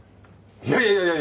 いやいやいやいや！